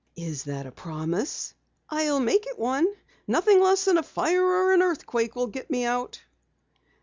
"Is that a promise?" "I'll make it one. Nothing less than a fire or an earthquake will get me out."